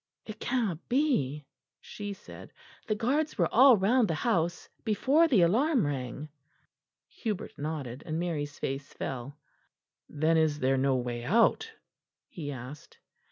"It cannot be," she said. "The guards were all round the house before the alarm rang." Hubert nodded, and Mary's face fell. "Then is there no way out?" he asked.